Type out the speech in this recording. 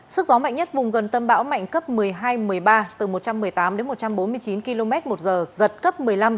sức gió mạnh nhất vùng gần tâm bão mạnh cấp một mươi hai một mươi ba từ một trăm một mươi tám đến một trăm bốn mươi chín km một giờ giật cấp một mươi năm